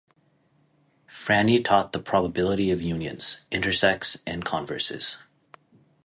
Franny taught the probability of unions, intersects, and converses.